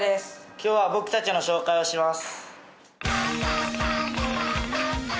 今日は僕たちの紹介をします。